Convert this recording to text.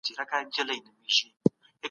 دا خبره باید په پښتو کي ثبت کړل سي.